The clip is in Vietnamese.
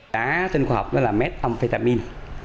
đá tên khoa học đó là methamphetamine